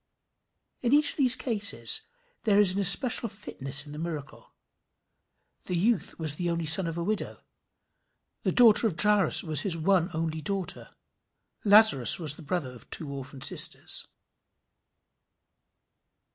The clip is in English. In each of the cases there is an especial fitness in the miracle. This youth was the only son of a widow; the daughter of Jairus was his "one only daughter;" Lazarus was the brother of two orphan sisters.